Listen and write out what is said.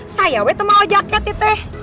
saya wih itu mau jaket ya teh